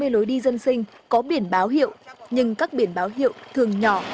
hai mươi lối đi dân sinh có biển báo hiệu nhưng các biển báo hiệu thường nhỏ